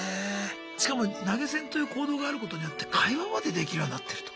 しかも投げ銭という行動があることによって会話までできるようになってると。